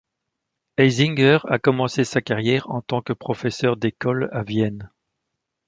Haizinger a commencé sa carrière en tant que professeur d'école à Vienne.